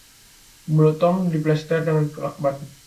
Mulut Tom diplester dengan lakban.